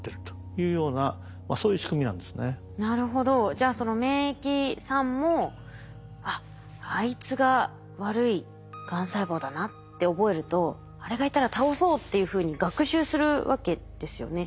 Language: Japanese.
じゃあその免疫さんも「あっあいつが悪いがん細胞だな」って覚えるとあれがいたら倒そうっていうふうに学習するわけですよね。